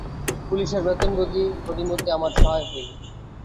পুলিসের বেতনভোগী হরিমতি আমার সহায় হইল।